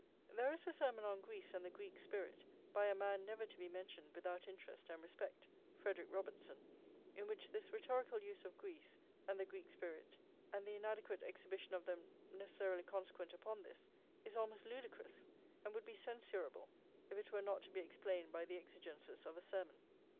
There is a sermon on Greece and the Greek spirit by a man never to be mentioned without interest and respect, Frederick Robertson, in which this rhetorical use of Greece and the Greek spirit, and the inadequate exhibition of them necessarily consequent upon this, is almost ludicrous, and would be censurable if it were not to be explained by the exigences of a sermon.